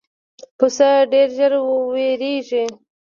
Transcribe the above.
پسه ډېر ژر وېرېږي.